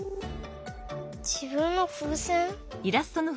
じぶんのふうせん？